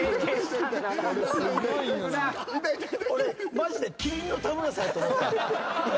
俺マジで麒麟の田村さんやと思った。